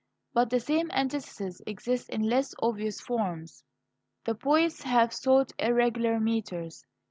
But the same antithesis exists in less obvious forms. The poets have sought "irregular" metres.